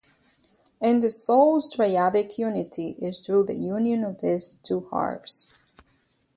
And the soul's triadic unity is through the union of these two halves.